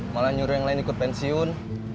malah nyuruh yang lain ikut pensiun